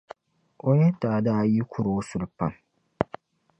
o nyintaa daa yi kur’ o suli pam.